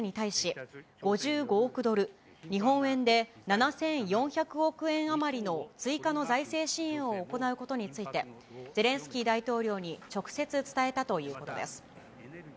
さらに日本がウクライナに対し、５５億ドル、日本円で７４００億円余りの追加の財政支援を行うことについて、ゼレンスキー大統領に直接伝えたということです。